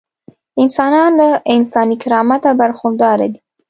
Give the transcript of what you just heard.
انسانان له انساني کرامته برخورداره دي.